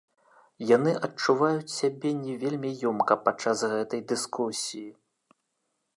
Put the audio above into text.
Яны адчуваюць сябе не вельмі ёмка падчас гэтай дыскусіі.